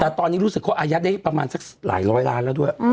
แต่ตอนนี้รู้สึกเขาอายัดได้ประมาณสักหลายร้อยล้านแล้วด้วย